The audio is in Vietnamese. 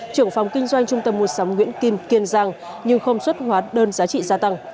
trưởng phòng kinh doanh trung tâm mua sắm nguyễn kim kiên giang nhưng không xuất hóa đơn giá trị gia tăng